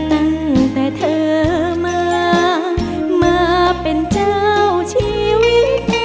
ตั้งแต่เธอมามาเป็นเจ้าชีวิต